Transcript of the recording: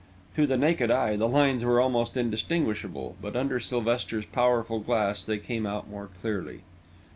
To the naked eye, the lines were almost indistinguishable, but under Sylvester's powerful glass they came out more clearly.